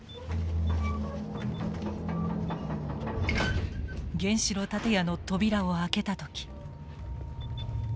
原子炉建屋の扉を開けた時。